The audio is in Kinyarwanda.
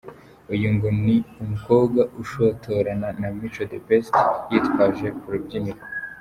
Uyu ngo niwe mukobwa ushotorana Mico The Best yitwaje ku rubyiniro